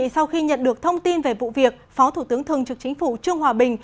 sau khi nhận được thông tin về vụ việc phó thủ tướng thường trực chính phủ trương hòa bình